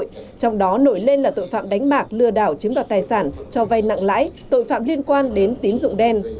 trong đó nổi lên là tội phạm đánh bạc lừa đảo chiếm đoạt tài sản cho vay nặng lãi tội phạm liên quan đến tín dụng đen